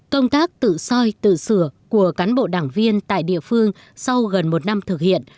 công tác tự soi tự sửa của cán bộ đảng viên tại địa phương sau gần một năm thực hiện